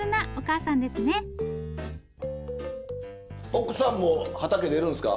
奥さんも畑出るんですか？